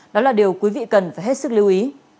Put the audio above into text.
đó là điều quý vị cần phải hết sức lưu ý